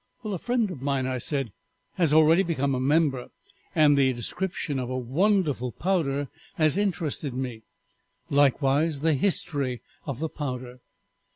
"'A friend of mine,' I said, 'has already become a member, and the description of a wonderful powder has interested me, likewise the history of the powder.'